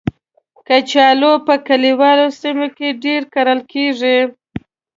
کچالو په کلیوالو سیمو کې ډېر کرل کېږي